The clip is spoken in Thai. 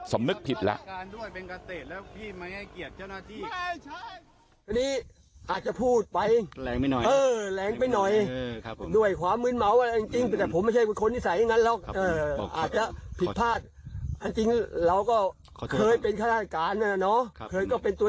สำนึกผิดแล้ว